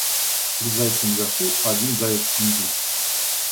Три зайца наверху, а один заяц внизу.